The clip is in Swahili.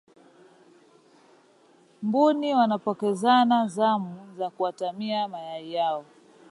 mbuni wanapokezana zamu za kuatamia mayai hayo